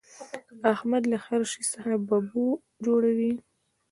احمد له هر شي څخه ببو جوړوي.